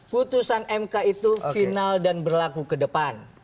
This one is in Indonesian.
putusan mk itu final dan berlaku kedepan